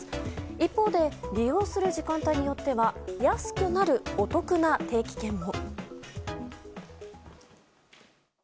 一方で、利用する時間帯によっては安くなるお得な定期券も。